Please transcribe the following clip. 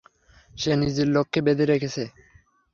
সে নিজের লোককে বেঁধে রেখেছে।